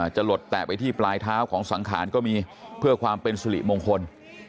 หลดแตะไปที่ปลายเท้าของสังขารก็มีเพื่อความเป็นสุริมงคล